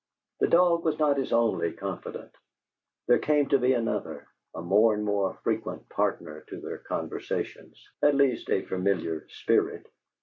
The dog was not his only confidant. There came to be another, a more and more frequent partner to their conversations, at last a familiar spirit.